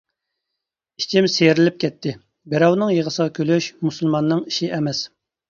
، ئىچىم سىيرىلىپ كەتتى، بىراۋنىڭ يىغىسىغا كۈلۈش مۇسۇلماننىڭ ئىشى ئەمەس.